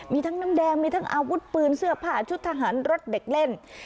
มีทั้งน้ำแดงมีทั้งอาวุธปืนเสื้อผ้าชุดทหารรถเด็กเล่น